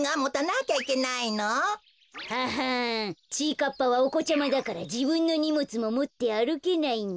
かっぱはおこちゃまだからじぶんのにもつももってあるけないんだ。